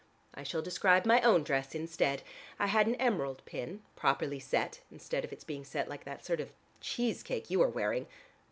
I shall describe my own dress instead. I had an emerald pin, properly set, instead of its being set like that sort of cheese cake you are wearing.